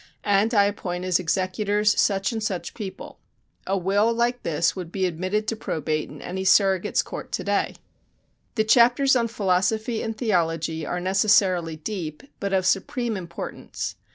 And I appoint as executors such and such people." A will like this would be admitted to probate in any surrogate's court to day. The chapters on philosophy and theology are necessarily deep, but of supreme importance.